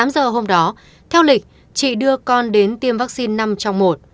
tám giờ hôm đó theo lịch chị đưa con đến tiêm vaccine năm trong một